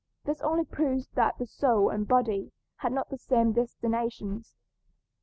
This only proves that the soul and body had not the same destinations.